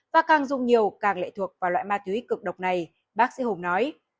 và càng dùng nhiều càng lệ thuộc vào loại ma túy cực độc này bác sĩ hùng nói